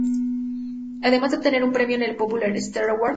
Además de obtener un premio en el ""Popular Star Award"".